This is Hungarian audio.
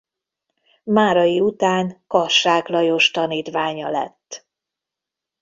Márai után Kassák Lajos tanítványa lett.